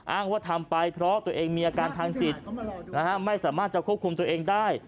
อ้างว่าทำไปเพราะตัวเองมีอาการทางจิตไม่สามารถจะควบคุมตัวเองได้